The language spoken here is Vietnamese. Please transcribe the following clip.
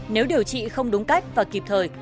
nếu điều trị không đúng cách và kịp thời